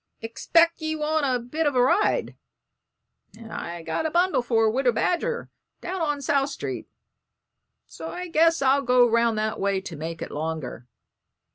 "'Xpect ye want a bit of a ride, and I've got a bundle for Widder Badger, down on South Street, so I guess I'll go 'round that way to make it longer.